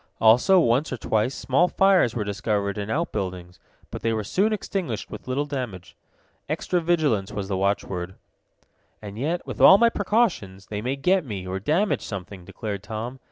Also, once or twice, small fires were discovered in outbuildings, but they were soon extinguished with little damage. Extra vigilance was the watchword. "And yet, with all my precautions, they may get me, or damage something," declared Tom.